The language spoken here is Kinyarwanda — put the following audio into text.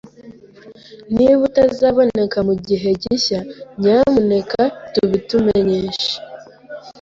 Niba utazaboneka mugihe gishya, nyamuneka tubitumenyeshe